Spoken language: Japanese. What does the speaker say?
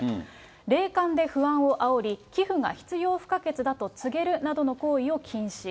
霊感で不安をあおり、寄付が必要不可欠だと告げるなどの行為を禁止。